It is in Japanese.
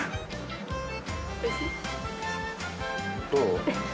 どう？